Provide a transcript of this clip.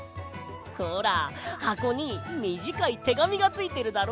ほらはこにみじかいてがみがついてるだろ？